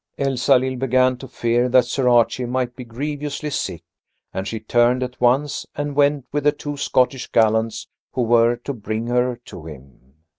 Elsalill began to fear that Sir Archie might be grievously sick, and she turned at once and went with the two Scottish gallants who were to bring her to him.